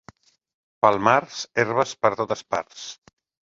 Pel març, herbes per totes parts.